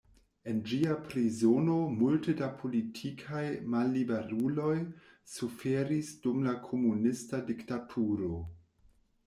En ĝia prizono multe da politikaj malliberuloj suferis dum la komunista diktaturo.